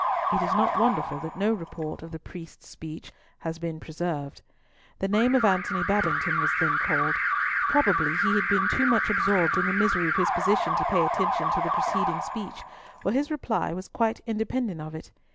It is not wonderful that no report of the priest's speech has been preserved. The name of Antony Babington was then called. Probably he had been too much absorbed in the misery of his position to pay attention to the preceding speech, for his reply was quite independent of it.